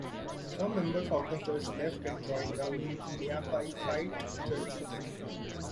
Some members of the church left and joined the Miaphysite Churches.